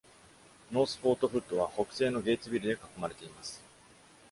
ノース・フォート・フッドは北西のゲイツビルで囲まれています。